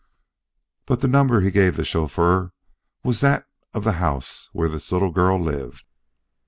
But the number he gave the chauffeur was that of the house where this little girl lived.